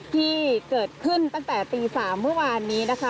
ที่เกิดขึ้นตั้งแต่ตี๓เมื่อวานนี้นะคะ